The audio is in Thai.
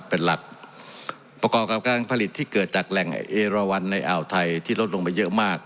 เป็นหลักประกอบกับการผลิตที่เกิดจากแหล่งเอราวันในอ่าวไทยที่ลดลงไปเยอะมาก